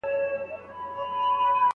د معتوه په طلاق کې څه ستونزه وي؟